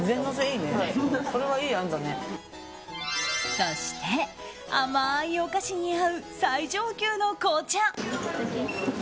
そして、甘いお菓子に合う最上級の紅茶。